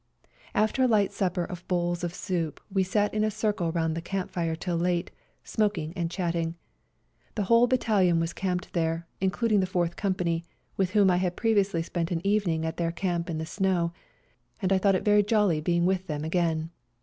After a light supper of bowls of soup we sat in a circle round the camp fire till late, smoking and chatting. The w^hole battalion was camped there, in cluding the Fourth Company, with whom I had previously spent an evening at their camp in the snow, and I thought it very jolly being with them again.